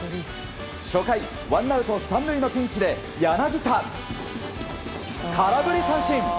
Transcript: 初回、ワンアウト３塁のピンチで柳田、空振り三振。